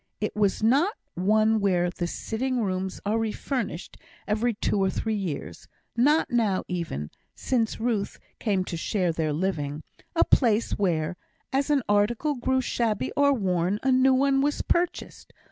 It was not one where the sitting rooms are refurnished every two or three years; not now, even (since Ruth came to share their living) a place where, as an article grew shabby or worn, a new one was purchased.